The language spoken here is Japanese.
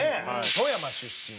富山出身。